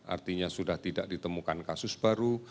artinya sudah tidak ditemukan kasus baru